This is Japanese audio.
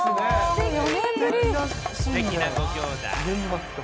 すてきなご兄妹。